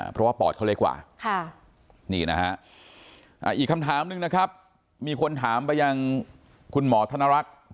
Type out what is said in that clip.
เพราะว่าปอดเขาเล็กกว่านี่นะฮะอีกคำถามหนึ่งนะครับมีคนถามไปยังคุณหมอธนรักษ์